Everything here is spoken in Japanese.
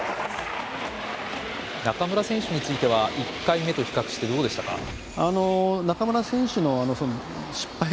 中村選手については１回目と比較してどうでしたか？